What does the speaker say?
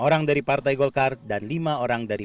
orang dari partai golkar dan lima orang dari